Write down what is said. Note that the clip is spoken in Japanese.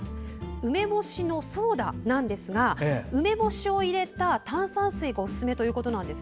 梅干しのソーダなんですが梅干しを入れた炭酸水がおすすめということです。